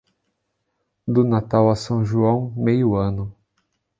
Do Natal a São João, meio ano.